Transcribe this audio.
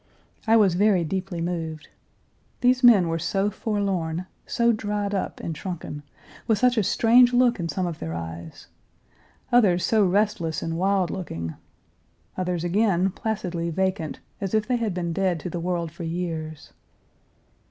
I was very deeply moved. These men were so forlorn, so dried up, and shrunken, with such a strange look in some of their eyes; others so restless and wild looking; others again placidly vacant, as if they had been dead to the world for years.